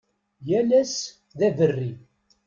Yal ass d aberri.